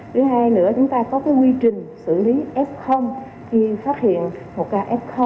thứ hai nữa chúng ta có quy trình xử lý f khi phát hiện một ca f